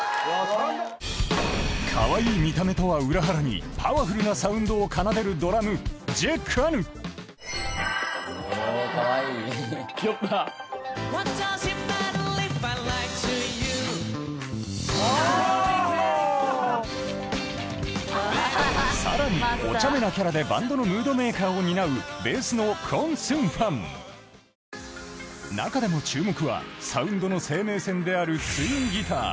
かわいい見た目とは裏腹にパワフルなサウンドを奏でるドラムさらにおちゃめなキャラでバンドのムードメーカーを担うベースの中でも注目はサウンドの生命線であるツインギター